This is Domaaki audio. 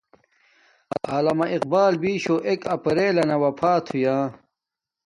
علامہ اقبال بیشو ایک اپریل لنا وفات ہویا